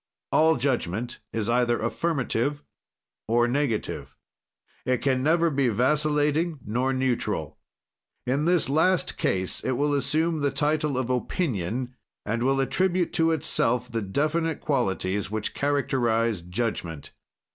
"All judgment is either affirmative or negative. "It can never be vascillating nor neutral. "In this last case it will assume the title of opinion, and will attribute to itself the definite qualities which characterize judgment.